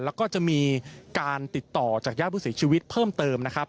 แล้วก็จะมีการติดต่อจากญาติผู้เสียชีวิตเพิ่มเติมนะครับ